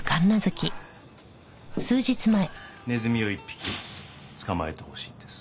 ネズミを１匹捕まえてほしいんです。